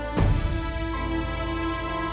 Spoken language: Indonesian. jadi orang bangunographer asia terkata pada orang